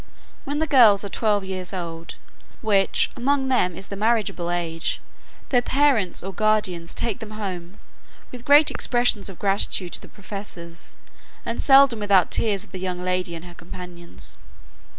When the girls are twelve years old, which among them is the marriageable age, their parents or guardians take them home, with great expressions of gratitude to the professors, and seldom without tears of the young lady and her companions.